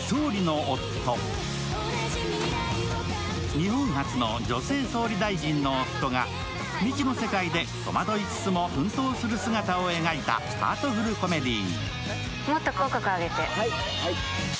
日本初の女性総理大臣の夫が未知の世界で戸惑いつつも奮闘する姿を描いたハートフルコメディー。